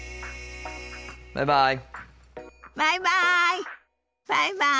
バイバイ。